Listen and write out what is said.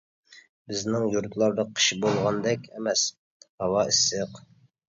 بىزنىڭ يۇرتلاردا قىش بولغاندەك ئەمەس، ھاۋا ئىسسىق.